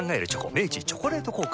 明治「チョコレート効果」